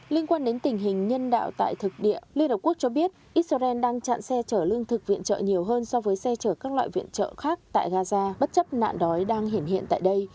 liên quan đến tình hình nhân đạo tại thực địa liên hợp quốc cho biết israel đang chặn xe chở lương thực viện trợ nhiều hơn so với xe chở các loại viện trợ khác tại gaza bất chấp nạn đói đang hiện hiện tại đây